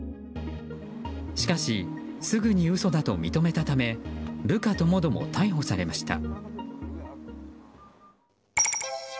しかし、すぐに嘘だと認めたため部下ともども逮捕されました。